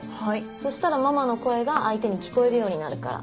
そしたらママの声が相手に聞こえるようになるから。